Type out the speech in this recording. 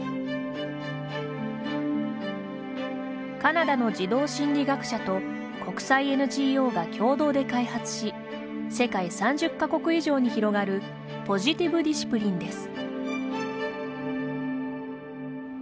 カナダの児童心理学者と国際ＮＧＯが共同で開発し世界３０か国以上に広がるポジティブ・ディシプリンです。